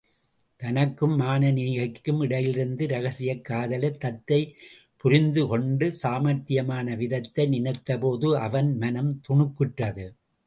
தனக்கும் மானனீகைக்கும் இடையிலிருந்த இரகசியக் காதலைத் தத்தை புரிந்து கொண்ட சாமர்த்தியமான விதத்தை நினைத்தபோதே அவன் மனம் துணுக்குற்றது.